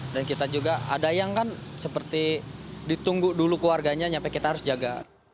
dan kita juga ada yang kan seperti ditunggu dulu keluarganya sampai kita harus jaga